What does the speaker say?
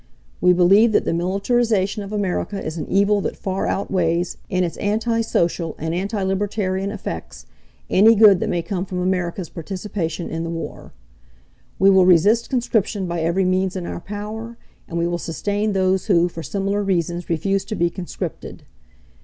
"We believe that the militarization of America is an evil that far outweighs, in its anti social and anti libertarian effects, any good that may come from America's participation in the war. "We will resist conscription by every means in our power, and we will sustain those who, for similar reasons, refuse to be conscripted.